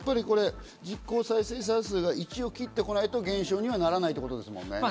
実効再生産数が１を切ってこないと減少にはならないってことですもんね。